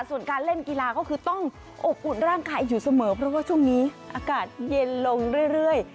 ส่วนการเล่นกีฬาก็คือต้องอบอุ่นร่างกายอยู่เสมอเพราะว่าช่วงนี้อากาศเย็นลงเรื่อย